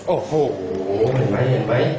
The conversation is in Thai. โอ้โหเห็นไหม